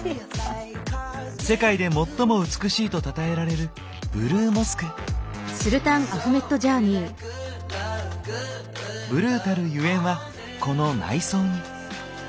「世界で最も美しい」とたたえられるブルーたるゆえんはこの内装に。